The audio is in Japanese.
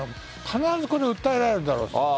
必ず訴えられるだろうと。